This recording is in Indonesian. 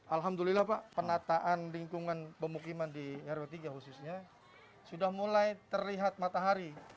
alhamdulillah pak penataan lingkungan pemukiman di rw tiga khususnya sudah mulai terlihat matahari